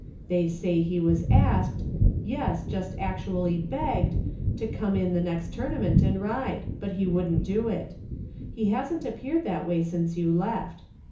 They say he was asked, yes, just actually begged, to come in the next tournament and ride, but he wouldn't do it. He hasn't appeared that way since you left.